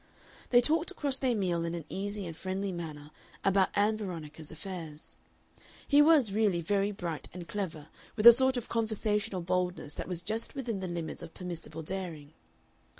They talked across their meal in an easy and friendly manner about Ann Veronica's affairs. He was really very bright and clever, with a sort of conversational boldness that was just within the limits of permissible daring.